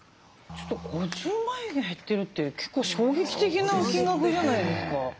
ちょっと５０万円減ってるって結構衝撃的な金額じゃないですか。